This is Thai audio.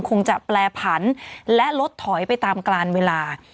คงจะแปรผันและลดถอยไปตามกลานเวลา